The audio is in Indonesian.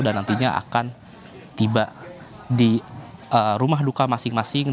dan nantinya akan tiba di rumah luka masing masing